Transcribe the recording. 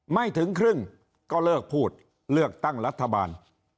ไม่ถึงครึ่งก็เลิกพูดเลือกตั้งรัฐบาล